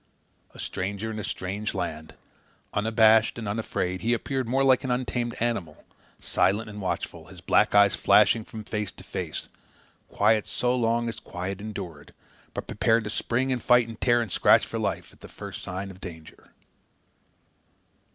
A stranger in a strange land, unabashed and unafraid, he appeared more like an untamed animal, silent and watchful, his black eyes flashing from face to face, quiet so long as quiet endured, but prepared to spring and fight and tear and scratch for life, at the first sign of danger.